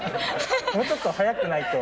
もうちょっと速くないと。